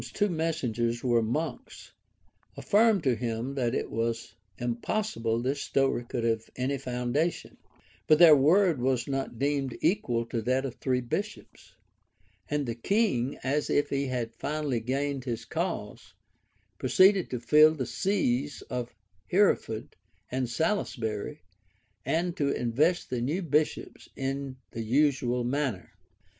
225] Anselm's two messengers, who were monks, affirmed to him that it was impossible this story could have any foundation; but their word was not deemed equal to that of three bishops; and the king, as if he had finally gained his cause, proceeded to fill the sees of Hereford and Salisbury, and to invest the new bishops in the usual manner.